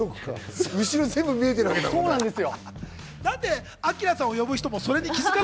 後ろ全部見えてるわけだもんね。